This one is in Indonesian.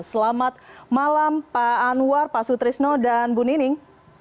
selamat malam pak anwar pak sutrisno dan bu nining